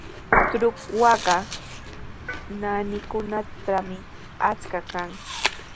Trutrwaqa naanikunatrawmi achka kan.